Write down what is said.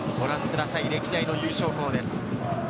歴代の優勝校です。